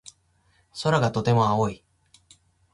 空がとても青い。